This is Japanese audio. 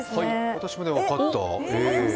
私も分かった。